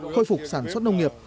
khôi phục sản xuất nông nghiệp